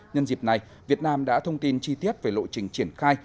nhân dịp này việt nam đã thông tin chi tiết về lộ trình triển khai